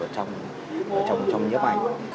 ở trong nhấp ảnh